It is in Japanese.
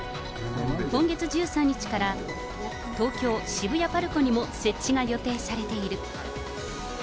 今月１３日から東京・渋谷パルコにも設置が予定されている。